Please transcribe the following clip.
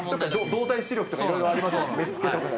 動体視力とかいろいろありますもんね。